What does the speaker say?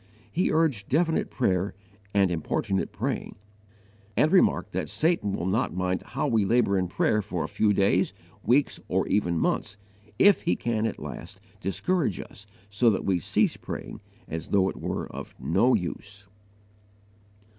He urged definite praying and importunate praying, and remarked that Satan will not mind how we labour in prayer for a few days, weeks, or even months, if he can at last discourage us so that we cease praying, as though it were of no use.